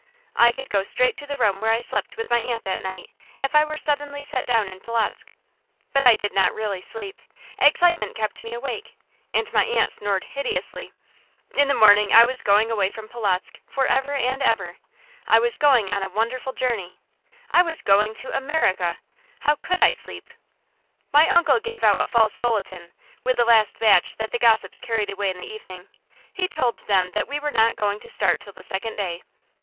I could go straight to the room where I slept with my aunt that night, if I were suddenly set down in Polotzk. But I did not really sleep. Excitement kept me awake, and my aunt snored hideously. In the morning I was going away from Polotzk, forever and ever. I was going on a wonderful journey. I was going to America. How could I sleep? My uncle gave out a false bulletin, with the last batch that the gossips carried away in the evening. He told them that we were not going to start till the second day.